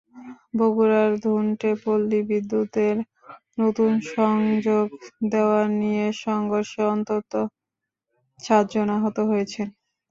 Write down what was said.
বগুড়ার ধুনটে পল্লী বিদ্যুতের নতুন সংযোগ দেওয়া নিয়ে সংঘর্ষে অন্তত সাতজন আহত হয়েছেন।